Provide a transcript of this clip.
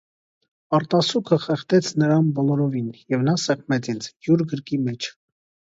Արտասուքը խեղդեց նրան բոլորովին, և նա սեղմեց ինձ՝ յուր գրկի մեջ: